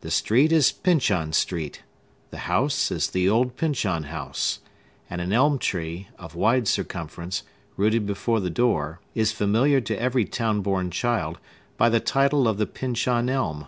The street is Pyncheon Street; the house is the old Pyncheon House; and an elm tree, of wide circumference, rooted before the door, is familiar to every town born child by the title of the Pyncheon Elm.